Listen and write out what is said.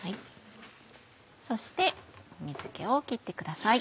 そして水気を切ってください。